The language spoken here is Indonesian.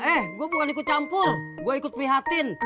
eh gue bukan ikut campur gue ikut prihatin